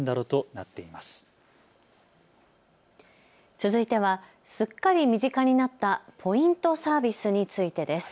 続いてはすっかり身近になったポイントサービスについてです。